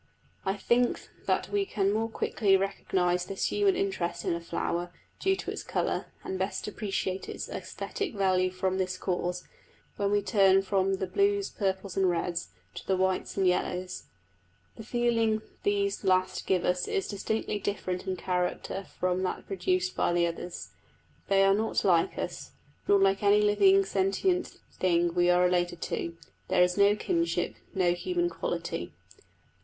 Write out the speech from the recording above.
I think that we can more quickly recognise this human interest in a flower, due to its colour, and best appreciate its æsthetic value from this cause, when we turn from the blues, purples, and reds, to the whites and the yellows. The feeling these last give us is distinctly different in character from that produced by the others. They are not like us, nor like any living sentient thing we are related to: there is no kinship, no human quality.